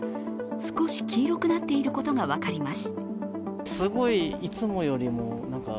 少し黄色くなっていることが分かります。